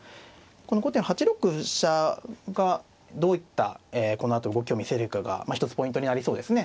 この後手の８六飛車がどういったこのあと動きを見せるかが一つポイントになりそうですね。